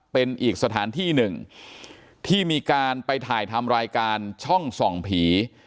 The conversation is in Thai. เป็นอีกสถานที่หนึ่งที่มีการไปถ่ายทำรายการช่องส่องผี